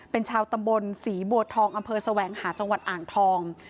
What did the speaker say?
เป็นชาวตำบลศรีบัวทองอำเภอแสวงหาจังหวัดอ่างทอง